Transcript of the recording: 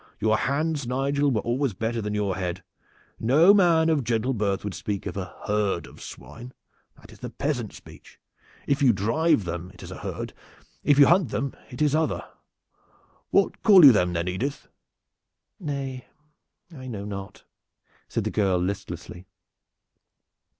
Your hands, Nigel, were always better than your head. No man of gentle birth would speak of a herd of swine; that is the peasant speech. If you drive them it is a herd. If you hunt them it is other. What call you them, then, Edith?" "Nay, I know not," said the girl listlessly.